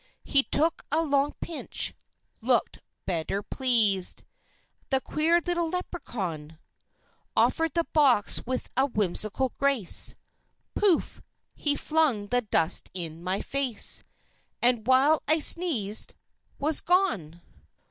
He took a long pinch, looked better pleased, The queer little Leprechaun; Offerèd the box with a whimsical grace, Pouf! he flung the dust in my face, And, while I sneezed, Was gone!